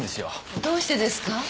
どうしてですか？